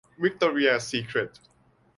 - วิคตอเรียซีเคร็ท